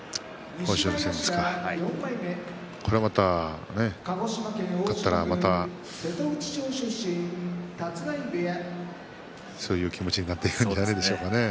豊昇龍戦ですか勝ったらそういう気持ちになっていくんじゃないでしょうかね。